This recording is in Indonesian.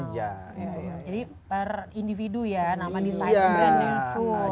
jadi per individu ya nama desainer brandnya itu